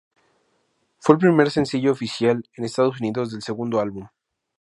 Fue el primer sencillo oficial en Estados Unidos, del segundo álbum.